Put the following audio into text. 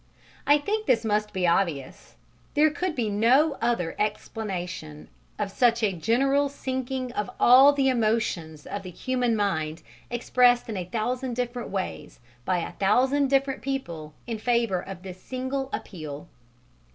I think this must be obvious: there could be no other explanation of such a general sinking of all the emotions of the human mind expressed in a thousand different ways by a thousand different people in favour of this single appeal.